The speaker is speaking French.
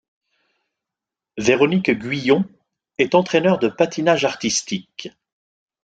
Véronique Guyon est entraîneur de patinage artistique.